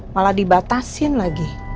malah dibatasin lagi